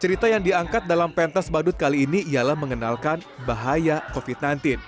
cerita yang diangkat dalam pentas badut kali ini ialah mengenalkan bahaya covid sembilan belas